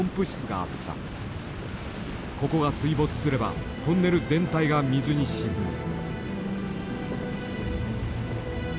ここが水没すればトンネル全体が水に沈む。